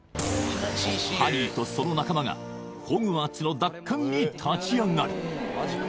ハリーとその仲間がホグワーツの奪還に立ち上がる！